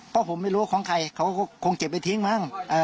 ก็ผมไม่รู้ของใครเขาก็คงเจ็บไปทิ้งมั้ง